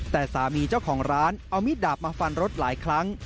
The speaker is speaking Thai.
แต่สามีเจ้าของร้านเอามิดดาบมาฟันรถหลายครั้ง